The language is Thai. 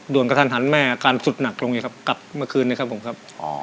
ด่วนกระทั่นหันแม่การสุดหนักลงกลับเมื่อคืนครับผมครับ